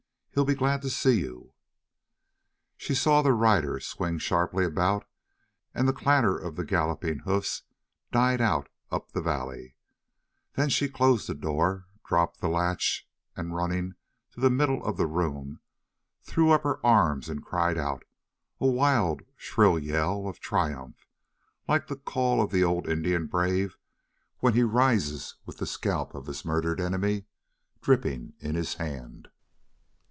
He'll be glad to see you!" She saw the rider swing sharply about, and the clatter of the galloping hoofs died out up the valley; then she closed the door, dropped the latch, and, running to the middle of the room, threw up her arms and cried out, a wild, shrill yell of triumph like the call of the old Indian brave when he rises with the scalp of his murdered enemy dripping in his hand.